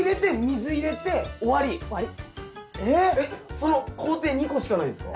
その工程２個しかないんですか？